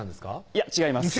いや違います